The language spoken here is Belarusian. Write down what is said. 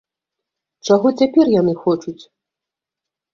Чаго цяпер яны хочуць?